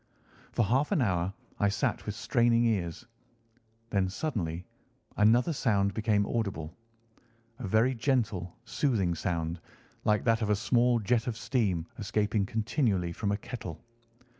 For half an hour I sat with straining ears. Then suddenly another sound became audible—a very gentle, soothing sound, like that of a small jet of steam escaping continually from a kettle.